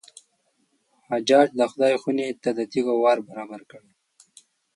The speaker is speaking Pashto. حجاج د خدای خونې ته د تېږو وار برابر کړی.